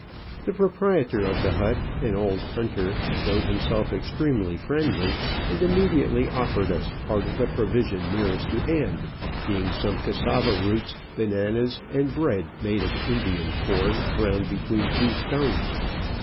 The proprietor of the hut, an old hunter, showed himself extremely friendly, and immediately offered us part of the provision nearest to hand, being some cassava roots, bananas, and bread made of Indian corn ground between two stones.